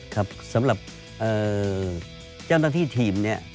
ครับสำหรับเจ้าหน้าที่ทีมเนี่ย